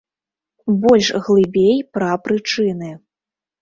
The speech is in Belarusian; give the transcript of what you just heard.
Больш глыбей пра прычыны.